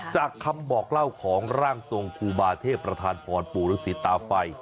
จากคำบอกเล่าของร่างทรงครูบาเทพประธานพรปู่ฤษีตาไฟ